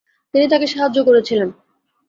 তিনি তাঁকে সাহায্য করেছিলেন।